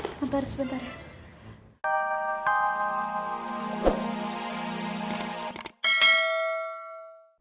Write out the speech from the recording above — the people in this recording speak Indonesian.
sebentar sebentar ya suster